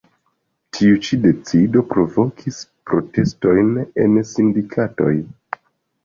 Tiu ĉi decido provokis protestojn de sindikatoj.